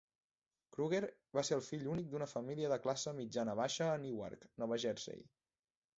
Kruger va ser el fill únic d'una família de classe mitjana-baixa a Newark, Nova Jersey.